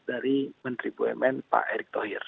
dari menteri bumn pak erick thohir